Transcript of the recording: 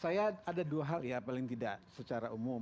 saya ada dua hal ya paling tidak secara umum